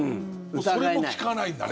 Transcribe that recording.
それも効かないんだね。